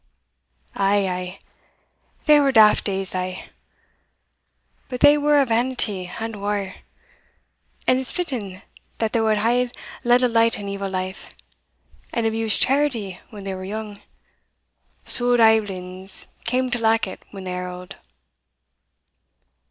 Ay, ay they were daft days thae; but they were a' vanity, and waur, and it's fitting that they wha hae led a light and evil life, and abused charity when they were young, suld aiblins come to lack it when they are auld."